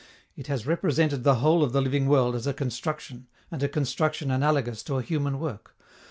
It has represented the whole of the living world as a construction, and a construction analogous to a human work.